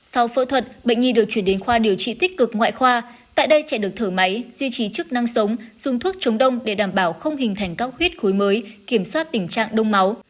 sau phẫu thuật bệnh nhi được chuyển đến khoa điều trị tích cực ngoại khoa tại đây trẻ được thở máy duy trì chức năng sống dùng thuốc chống đông để đảm bảo không hình thành các huyết khối mới kiểm soát tình trạng đông máu